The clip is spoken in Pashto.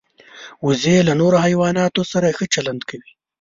وزې له نورو حیواناتو سره ښه چلند کوي